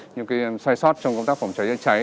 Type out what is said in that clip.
những cái sai sót trong công tác phòng cháy chữa cháy